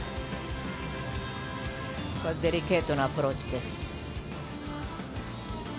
デリケートなアプローチです。